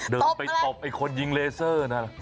เดินไปตบไอ้คนยิงเลเซอร์นะ